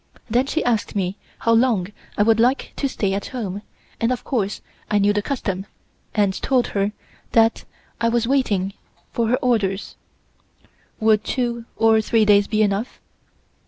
Then she asked me how long I would like to stay at home, and of course I knew the custom, and told her that I was waiting for her orders: "Would two or three days be enough?"